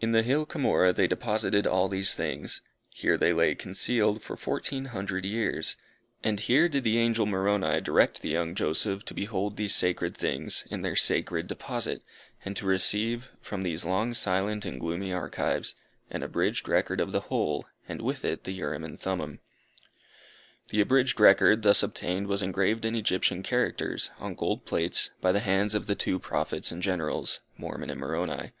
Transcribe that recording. In the hill Cumorah, they deposited all these things. Here they lay concealed for fourteen hundred years. And here did the angel Moroni direct the young Joseph to behold these sacred things, in their sacred deposit, and to receive, from these long silent and gloomy archives, an abridged record of the whole, and with it the Urim and Thummim. The abridged record, thus obtained, was engraved in Egyptian characters, on gold plates, by the hands of the two Prophets and Generals Mormon and Moroni.